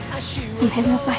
ごめんなさい。